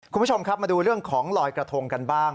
คุณผู้ชมครับมาดูเรื่องของลอยกระทงกันบ้าง